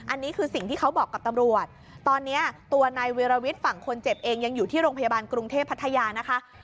อันนี้คือสิ่งที่เขาบอกกับตำรวจตอนนี้ตัวนายวิรวิทย์ฝั่งคนเจ็บเองยังอยู่ที่โรงพยาบาลกรุงเทพพัทยานะคะ